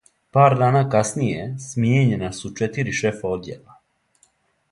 Пар дана касније, смијењена су четири шефа одјела.